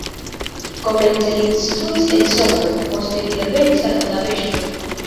Komence li instruis en Sopron, poste li revenis al Budapeŝto.